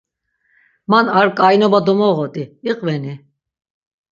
Man ar k̆ainoba domoğodi, iqveni?